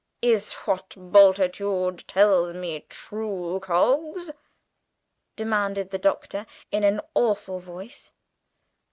"Is what Bultitude tells me true, Coggs?" demanded the Doctor in an awful voice.